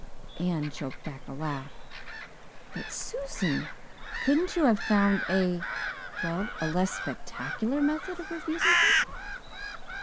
Anne choked back a laugh. "But Susan! Couldn't you have found a well, a less spectacular method of refusing him?